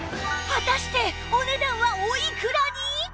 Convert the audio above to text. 果たしてお値段はおいくらに！？